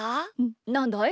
なんだい？